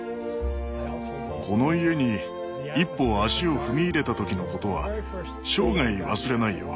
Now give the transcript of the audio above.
この家に一歩足を踏み入れた時のことは生涯忘れないよ。